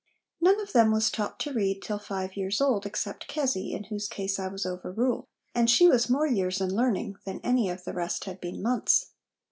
" None of them was taught to read till five years old, except Kezzy, in whose case I was overruled ; and she was more years in learning than any of the rest had been months.